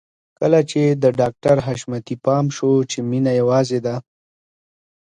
کله چې د ډاکټر حشمتي پام شو چې مينه يوازې ده.